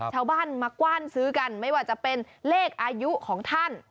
ชาวบ้านมากว้านซื้อกันไม่ว่าจะเป็นเลขอายุของท่าน